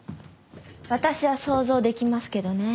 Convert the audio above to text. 私は想像できますけどね。